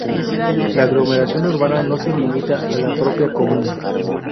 La aglomeración urbana no se limita a la propia comuna.